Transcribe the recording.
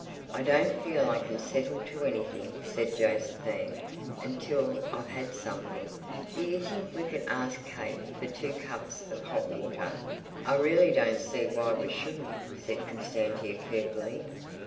"I don't feel I can settle to anything," said Josephine, "until I've had something. Do you think we could ask Kate for two cups of hot water?" "I really don't see why we shouldn't," said Constantia carefully.